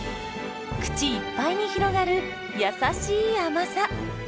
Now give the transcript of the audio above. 口いっぱいに広がる優しい甘さ。